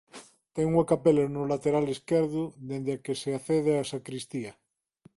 Ten unha capela no lateral esquerdo dende a que se accede á sancristía.